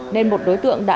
nên một đối tượng đã lục